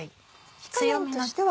火加減としては。